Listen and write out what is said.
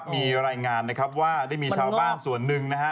มีรายงานนะครับว่าได้มีชาวบ้านส่วนหนึ่งนะฮะ